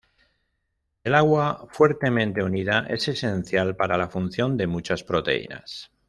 El agua fuertemente unida es esencial para la función de muchas proteínas.